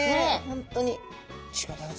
本当に。